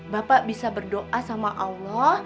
bapak bisa berdoa sama allah